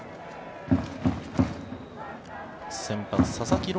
先発佐々木朗